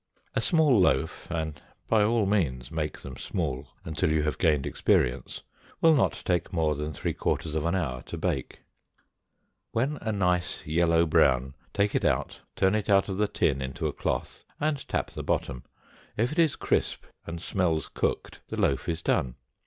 A small loaf and by all means make them small until you have gained experience will not take more than three quarters of an hour to bake; when a nice yellow brown, take it out, turn it out of the tin into a cloth, and tap the bottom; if it is crisp and smells cooked, the loaf is done.